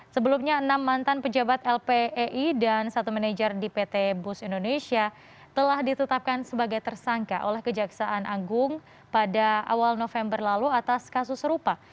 sebelumnya enam mantan pejabat lpei dan satu manajer di pt bus indonesia telah ditetapkan sebagai tersangka oleh kejaksaan agung pada awal november lalu atas kasus serupa